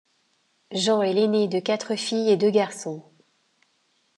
Jean est l'aîné de quatre filles et deux garçons.